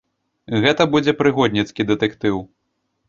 Гэта будзе прыгодніцкі дэтэктыў.